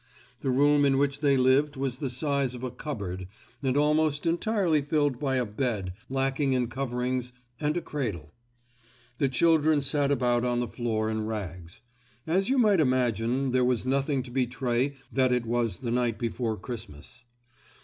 The room in which they lived was the size of a cupboard and almost entirely filled by a bed, lacking in coverings, and a cradle. The children sat about on the floor in rags. As you might imagine, there was nothing to betray that it was the night before Christmas.